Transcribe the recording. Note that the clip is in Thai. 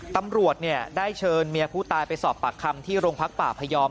ตำรวจได้เชิญเมียผู้ตายไปสอบปากคำที่โรงพักป่าพยอม